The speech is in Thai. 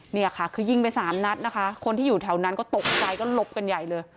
เนี่ยค่ะคือยิงไปสามนัดนะคะคนที่อยู่แถวนั้นก็ตกใจก็หลบกันใหญ่เลย